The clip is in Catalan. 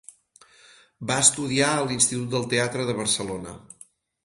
Va estudiar a l'Institut del Teatre de Barcelona.